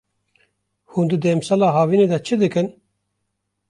Hûn di demsala havinê de çi dikin?